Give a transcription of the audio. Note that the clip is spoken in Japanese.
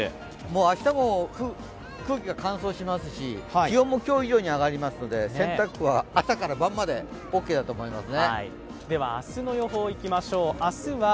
明日も空気が乾燥しますし、気温も今日以上に上がりますので洗濯は朝から晩までＯＫだと思います。